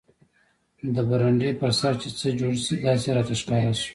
د برنډې پر سر چې څه جوړ شي داسې راته ښکاره شو.